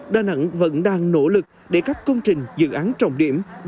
đà nẵng vẫn đang nỗ lực để các công trình dự án trọng điểm